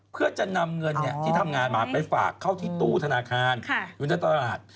เพื่อจะนำเงินที่ทำงานมาไปฝากเข้าที่ตู้ธนาคารอยู่ในตลาด